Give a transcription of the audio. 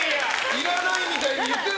いらないみたいに言ってた。